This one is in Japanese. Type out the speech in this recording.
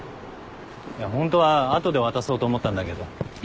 いやホントは後で渡そうと思ったんだけど。